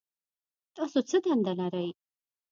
تاسو څه دنده لرئ؟